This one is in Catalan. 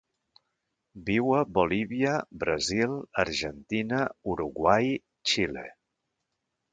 Viu a Bolívia, Brasil, Argentina, Uruguai, Xile.